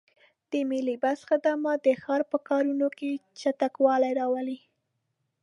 د ملي بس خدمات د ښار په کارونو کې چټکوالی راولي.